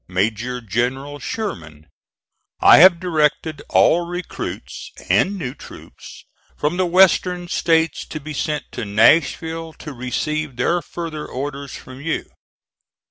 MAJOR GENERAL SHERMAN: I have directed all recruits and new troops from the Western States to be sent to Nashville, to receive their further orders from you.